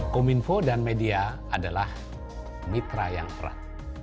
kominfo dan media adalah mitra yang erat